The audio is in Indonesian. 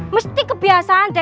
mesti kebiasaan deh